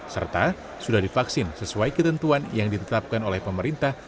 serta sudah divaksin sesuai ketentuan yang ditetapkan oleh pemerintah